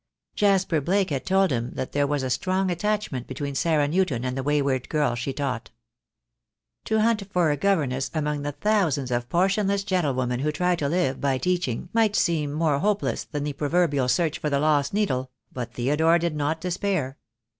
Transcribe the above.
Jasper Blake had told him that there was a strong attachment between Sarah Newton and the wayward girl she taught. To hunt for a governess among the thousands of portionless gentlewomen who try to live by teaching might seem more hopeless than the proverbial search for the lost needle, but Theodore did not despair.